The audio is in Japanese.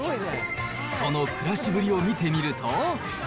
その暮らしぶりを見てみると。